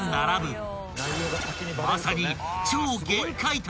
［まさに］